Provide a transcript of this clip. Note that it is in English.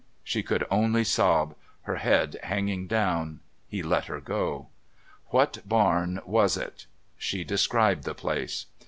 She could only sob, her head hanging down. He let her go. "What barn was it?" She described the place.